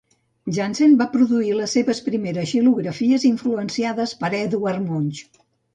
Janssen va produir les seves primeres xilografies, influenciades per Edvard Munch.